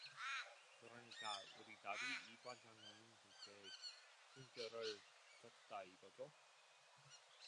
그러니까 우리 딸이 이관장님한테 순결을 줬다 이거죠?